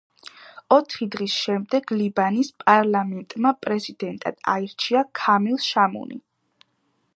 ოთხი დღის შემდეგ ლიბანის პარლამენტმა პრეზიდენტად აირჩია ქამილ შამუნი.